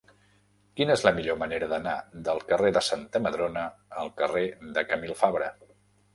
Quina és la millor manera d'anar del carrer de Santa Madrona al carrer de Camil Fabra?